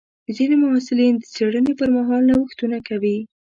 ځینې محصلین د څېړنې پر مهال نوښتونه کوي.